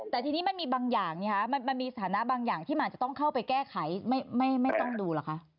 แต่ทีนี้มันมีสถานะบางอย่างที่มันอาจจะต้องเข้าไปแก้ไขไม่ต้องดูหรือคะ